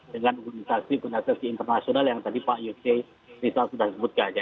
dengan organisasi organisasi internasional yang tadi pak yusuf sudah sebutkan